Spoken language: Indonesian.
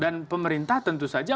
dan pemerintah tentu saja